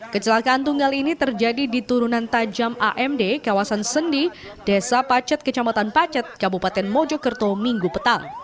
kecelakaan tunggal ini terjadi di turunan tajam amd kawasan sendi desa pacet kecamatan pacet kabupaten mojokerto minggu petang